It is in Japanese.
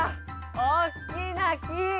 おっきなき！